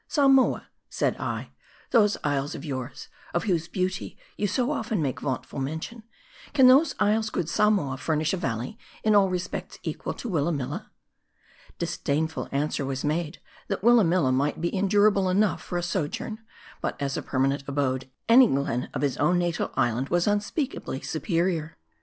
Samoa," said I, " those isles of yours, of whose beauty you so often make vauntful mention, can those isles, good Samoa, furnish a valley in all respects equal to Willamilla?" Disdainful answer was made, that Willamilla might be endurable enough for a sojourn, but as a permanent abode, any glen of his own natal isle was unspeakably superior.